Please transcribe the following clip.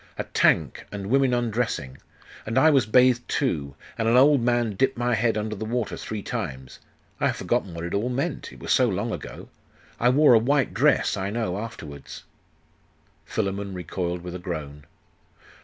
A tank, and women undressing.... And I was bathed too, and an old man dipped my head under the water three times.... I have forgotten what it all meant it was so long ago. I wore a white dress, I know, afterwards.' Philammon recoiled with a groan.